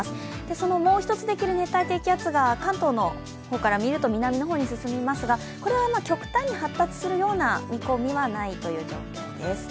そのもう一つできる熱帯低気圧が関東の方から見ると南の方に進みますがこれは極端に発達するような見込みはないという状況です。